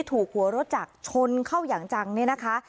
ถูกหัวรถจักรชนเข้าอย่างจังเนี่ยนะคะ